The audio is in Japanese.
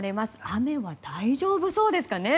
雨は大丈夫そうですかね。